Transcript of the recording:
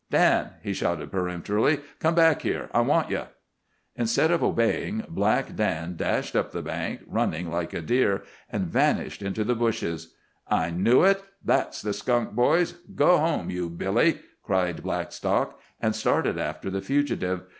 "Dan," he shouted peremptorily. "Come back here. I want ye!" Instead of obeying, Black Dan dashed up the bank, running like a deer, and vanished into the bushes. "I knew it! That's the skunk, boys. Go home, you Billy!" cried Blackstock, and started after the fugitive.